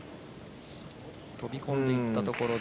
飛び込んでいったところで。